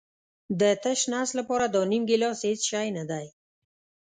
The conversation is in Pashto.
د تش نس لپاره دا نیم ګیلاس هېڅ شی نه دی.